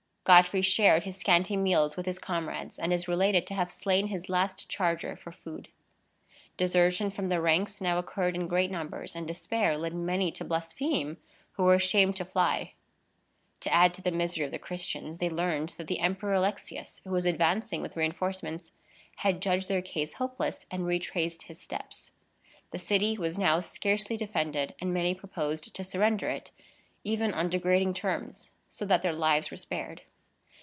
Godfrey shared his scanty meals with his comrades, and is related to have slain his last charger for food. Desertion from the ranks now occurred in great numbers, and despair led many to blaspheme who were ashamed to fly. To add to the misery of the Christians, they learned that the Emperor Alexius, who was advancing with reinforcements, had judged their case hopeless, and retraced his steps. The city was now scarcely defended, and many proposed to surrender it, even on degrading terms, so that their lives were spared.